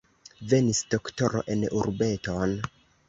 Venis doktoro en urbeton.